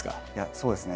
そうですね